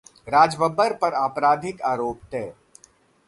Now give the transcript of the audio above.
राज बब्बर पर आपराधिक आरोप तय